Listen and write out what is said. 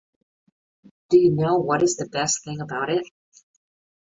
Do you know what is the best thing about it?